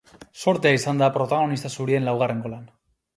Zortea izan da protagonista zurien laugarren golan.